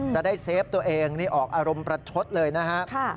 จะได้เซฟตัวเองนี่ออกอารมณ์ประชดเลยนะครับ